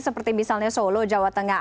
seperti misalnya solo jawa tengah